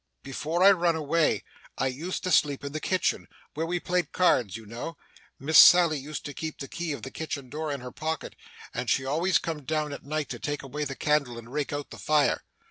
Before I run away, I used to sleep in the kitchen where we played cards, you know. Miss Sally used to keep the key of the kitchen door in her pocket, and she always come down at night to take away the candle and rake out the fire.